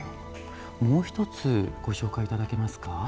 もう１つご紹介いただけますか？